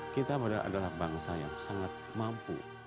kita adalah bangsa yang sangat mampu